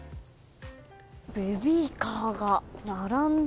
ベビーカーが並んで。